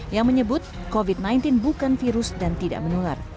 yang menyebut covid sembilan belas bukan virus dan tidak menular